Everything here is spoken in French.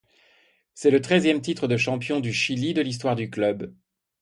C'est le treizième titre de champion du Chili de l'histoire du club.